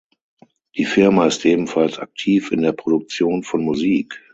Die Firma ist ebenfalls aktiv in der Produktion von Musik.